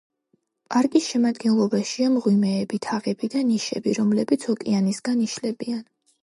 პარკის შემადგენლობაშია მღვიმეები, თაღები და ნიშები, რომლებიც ოკეანისკენ იშლებიან.